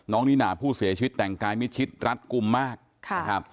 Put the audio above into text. น้องนิน่าผู้เสียชีวิตแต่งกายมิจชิตรัฐกุมมาก